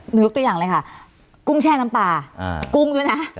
ยกตัวอย่างเลยค่ะกุ้งแช่น้ำปลากุ้งด้วยนะ